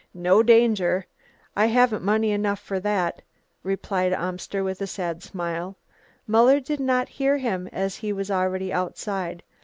"No danger. I haven't money enough for that," replied Amster with a sad smile. Muller did not hear him as he was already outside.